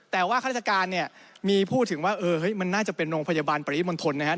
แต่ว่าข้าราชการเนี่ยมีพูดถึงว่ามันน่าจะเป็นโรงพยาบาลปริมณฑลนะครับ